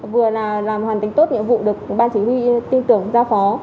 vừa là làm hoàn tính tốt nhiệm vụ được ban chỉ huy tin tưởng ra phó